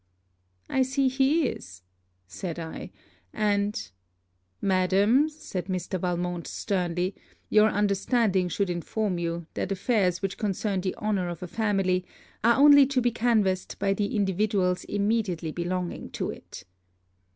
'I see he is,' said I 'and .' 'Madam' said Mr. Valmont sternly, 'your understanding should inform you, that affairs which concern the honour of a family are only to be canvassed by the individuals immediately belonging to it.'